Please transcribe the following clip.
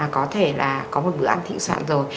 có thể là có một bữa ăn thị soạn rồi